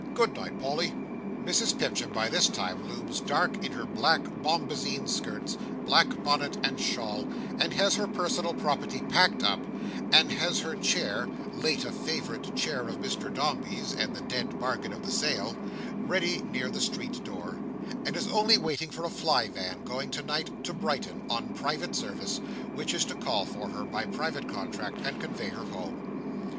Good night, Polly!" Mrs Pipchin by this time looms dark in her black bombazeen skirts, black bonnet, and shawl; and has her personal property packed up; and has her chair (late a favourite chair of Mr Dombey's and the dead bargain of the sale) ready near the street door; and is only waiting for a fly van, going tonight to Brighton on private service, which is to call for her, by private contract, and convey her home.